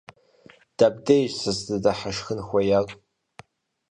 Дэбдеж сыздэдыхьэшхын хуеяр?